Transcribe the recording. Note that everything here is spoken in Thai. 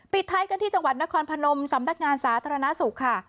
ท้ายกันที่จังหวัดนครพนมสำนักงานสาธารณสุขค่ะ